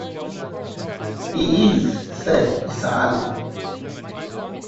‘He is,’ said Mr. Allen.